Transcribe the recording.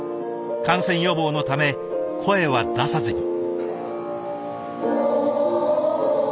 感染予防のため声は出さずに。